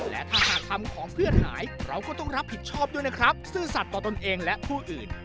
และถ้าหากทำของเพื่อนหายเราก็ต้องรับผิดชอบด้วยนะครับซื่อสัตว์ต่อตนเองและผู้อื่น